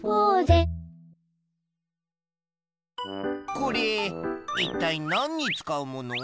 これいったいなんにつかうもの？